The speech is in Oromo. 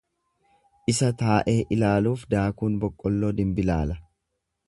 Isa taa'ee ilaaluuf daakuun boqqolloo dinbilaala.